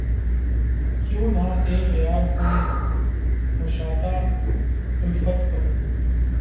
کیوں نہ تیغ یار کو مشاطۂ الفت کہوں